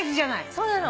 そうなの。